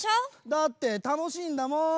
だってたのしいんだもん！